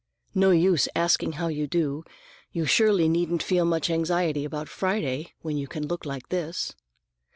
"No use asking how you do. You surely needn't feel much anxiety about Friday, when you can look like this."